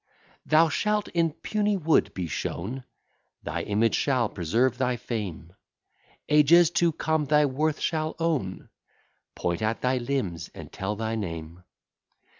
Thou shalt in puny wood be shown, Thy image shall preserve thy fame; Ages to come thy worth shall own, Point at thy limbs, and tell thy name.